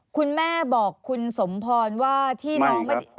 คุณแม่บอกคุณสมพรว่าที่น้องไม่ได้